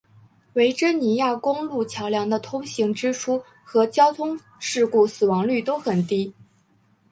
维珍尼亚公路桥梁的通行支出和交通事故死亡率都很低。